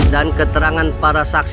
dan keterangan para saksi